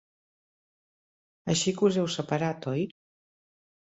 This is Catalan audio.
Així que us heu separat, oi?